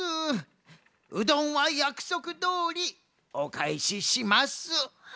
うどんはやくそくどおりおかえしします。